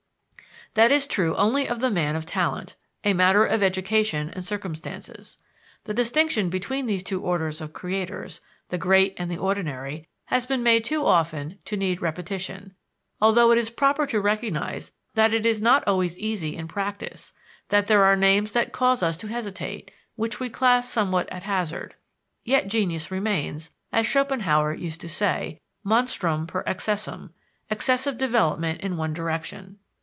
That is true only of the man of talent, a matter of education and circumstances. The distinction between these two orders of creators the great and the ordinary has been made too often to need repetition, although it is proper to recognize that it is not always easy in practice, that there are names that cause us to hesitate, which we class somewhat at hazard. Yet genius remains, as Schopenhauer used to say, monstrum per excessum; excessive development in one direction.